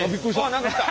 あ何か来た。